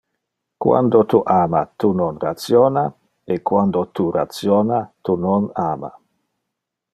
Quando tu ama tu non rationa e quando tu rationa tu non ama.